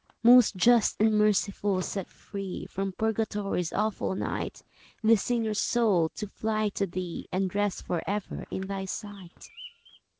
"Most Just and Merciful, set free From Purgatory's awful night This sinner's soul, to fly to Thee, And rest for ever in Thy sight."